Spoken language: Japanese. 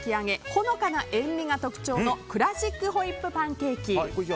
ほのかな塩味が特徴のクラシックホイップパンケーキ。